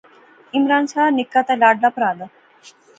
عمران ساڑا نکا تے لاڈلا پرہا دا